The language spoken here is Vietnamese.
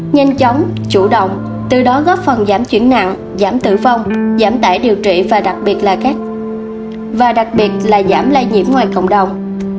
nhanh chóng chủ động từ đó góp phần giảm chuyển nặng giảm tử vong giảm tải điều trị và đặc biệt là giảm lai nhiễm ngoài cộng đồng